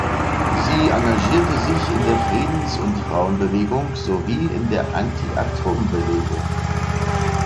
Sie engagierte sich in der Friedens- und Frauenbewegung sowie in der Anti-Atom-Bewegung.